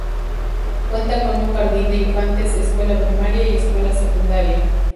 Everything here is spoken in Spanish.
Cuenta con un jardín de infantes, escuela primaria, y escuela secundaria.